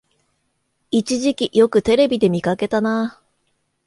一時期よくテレビで見かけたなあ